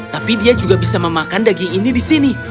tapi dia juga bisa memakan daging ini di sini